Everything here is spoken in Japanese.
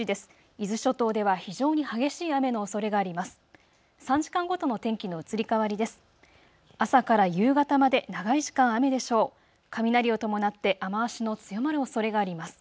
伊豆諸島では非常に激しい雨のおそれがあります。